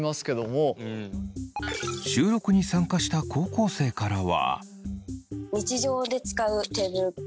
収録に参加した高校生からは。